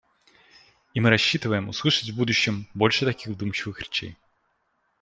И мы рассчитываем услышать в будущем больше таких вдумчивых речей.